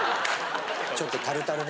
ちょっとタルタルね。